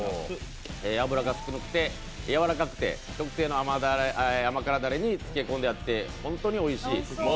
脂が少なくてやわらかくて特製の甘辛だれに漬け込んであって本当においしい。